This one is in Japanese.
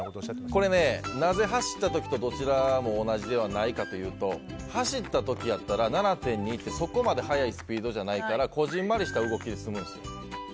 これなぜ走った時とどちらも同じではないかというと走った時なら７．２はそこまで速いスピードじゃないから小ぢんまりした動きで済むんですよ。